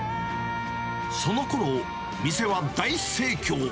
そのころ、店は大盛況。